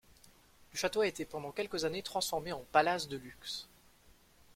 Le château a été pendant quelques années transformé en palace de luxe.